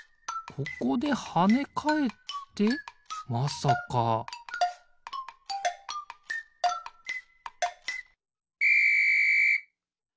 ここではねかえってまさかピッ！